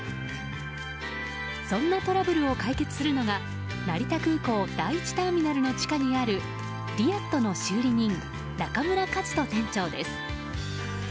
そんなトラブルを解決するのが成田空港第１ターミナルの地下にあるリアット！の修理人中村一登店長です。